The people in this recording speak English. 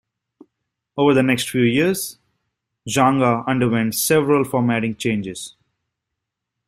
Over the next few years, Xanga underwent several formatting changes.